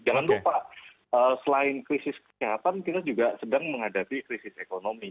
jangan lupa selain krisis kesehatan kita juga sedang menghadapi krisis ekonomi